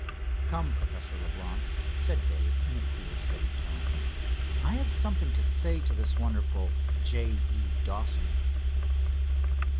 "Come, Professor Leblance," said Dave, in a clear, steady tone, "I have something to say to this wonderful J. E. Dawson."